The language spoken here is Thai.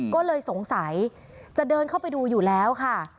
ก็เลยสงสัยจะเดินเข้าไปดูอยู่แล้วค่ะ